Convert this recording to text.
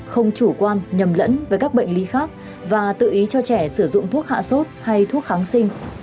không chủ quan nhầm lẫn với các bệnh lý khác và tự ý cho trẻ sử dụng thuốc hạ sốt hay thuốc kháng sinh